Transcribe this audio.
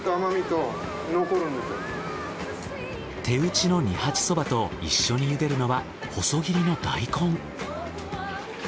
手打ちの二八そばと一緒に茹でるのは細切りの大根。